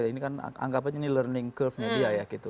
ini kan anggap aja ini learning curve nya dia ya gitu